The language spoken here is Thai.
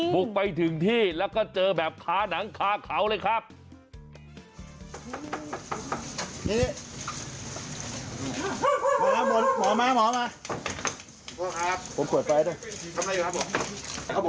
บุกไปถึงที่แล้วก็เจอแบบค้านังคาเขาเลยครับ